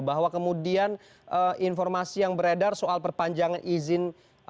bahwa kemudian informasi yang beredar soal perpanjangan izin